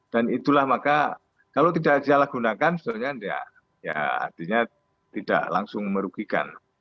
dan itulah maka kalau tidak salahgunakan sebetulnya ya artinya tidak langsung merugikan